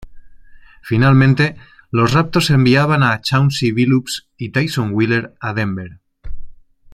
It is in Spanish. Finalmente, los Raptors enviaban a Chauncey Billups y Tyson Wheeler a Denver.